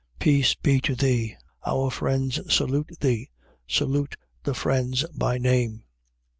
Peace be to thee. Our friends salute thee. Salute the friends by name.